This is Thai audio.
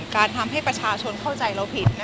ทำให้ประชาชนเข้าใจเราผิด